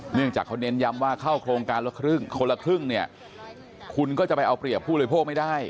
เนื่องจากเขาเน้นย้ำว่าเข้าโครงการละครึ่งคนละครึ่งเนี่ยคุณก็จะไปเอาเปรียบผู้บริโภคไม่ได้